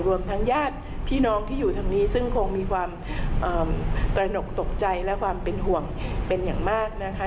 รวมทั้งญาติพี่น้องที่อยู่ทางนี้ซึ่งคงมีความตระหนกตกใจและความเป็นห่วงเป็นอย่างมากนะคะ